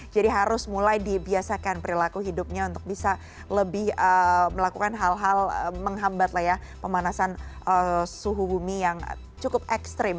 jadi harus mulai dibiasakan perilaku hidupnya untuk bisa lebih melakukan hal hal menghambat pemanasan suhu bumi yang cukup ekstrim